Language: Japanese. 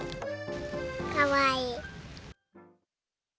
かわいい。